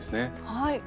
はい。